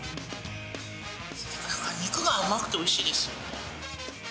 肉が甘くておいしいです。